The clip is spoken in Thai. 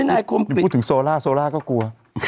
พูดถึงโซล่าโซล่าก็กลัว